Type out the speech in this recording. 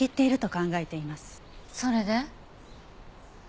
それで？